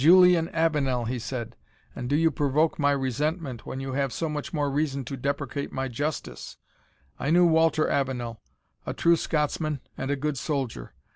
Julian Avenel," he said, "and do you provoke my resentment, when you have so much more reason to deprecate my justice! I knew Walter Avenel, a true Scotsman and a good soldier.